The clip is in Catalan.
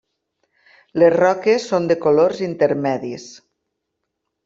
Les roques són de colors intermedis.